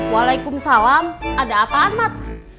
waalaikumsalam ada apaan mat